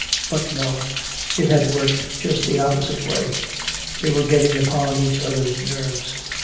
But no, it had worked just the opposite way. They were getting upon each other's nerves.